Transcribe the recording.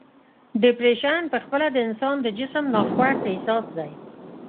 ډپریشن په خپله د انسان د جسم ناخوښ احساس دی.